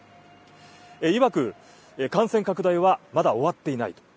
いわく、感染拡大はまだ終わっていないと。